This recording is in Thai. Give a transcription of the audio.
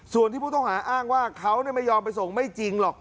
ส่วนที่ผู้ต้องหาอ้างว่าเขาไม่ยอมไปส่งไม่จริงหรอก